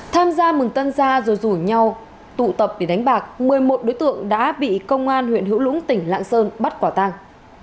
tham gia mừng tân gia rồi rủ nhau tụ tập để đánh bạc một mươi một đối tượng đã bị công an huyện hữu lũng tỉnh lạng sơn bắt quả tàng